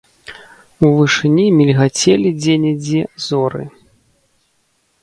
У вышыні мільгацелі дзе-нідзе зоры.